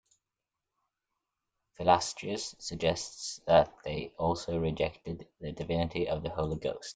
Philastrius suggests that they also rejected the divinity of the Holy Ghost.